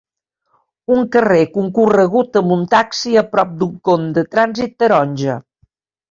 Un carrer concorregut amb un taxi a prop d'un con de trànsit taronja.